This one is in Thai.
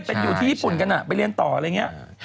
เป็นอยู่ที่ญี่ปุ่นกันไปเรียนต่ออะไรอย่างนี้